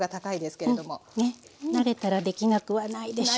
慣れたらできなくはないでしょうが。